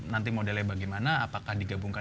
nanti modelnya bagaimana apakah digabungkan